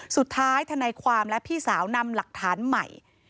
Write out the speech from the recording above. ทนายความและพี่สาวนำหลักฐานใหม่